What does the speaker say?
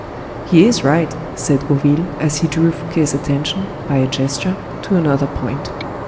"He is right," said Gourville, as he drew Fouquet's attention, by a gesture, to another point.